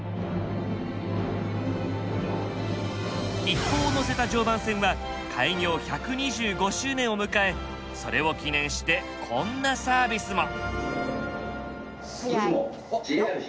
一行を乗せた常磐線は開業１２５周年を迎えそれを記念してこんなサービスも。